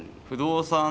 不動産？